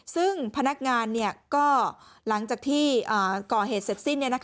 ซึ่งพนักงานก็หลังจากที่ก่อเหตุเสร็จสิ้น